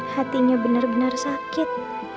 hatinya benar benar sakit